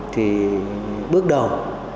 thì bước đầu